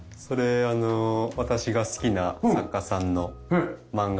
それあの私が好きな作家さんの漫画で。